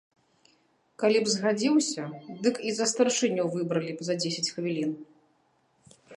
Калі б згадзіўся, дык і за старшыню выбралі б за дзесяць хвілін.